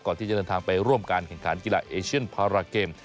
ก่อนที่จะเดินทางไปร่วมการแข่งขันกีฬาเอเชียนพาราเกม